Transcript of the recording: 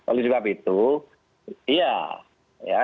oleh sebab itu ya